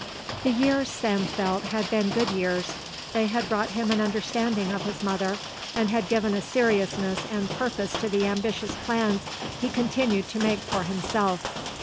The years, Sam felt, had been good years. They had brought him an understanding of his mother and had given a seriousness and purpose to the ambitious plans he continued to make for himself.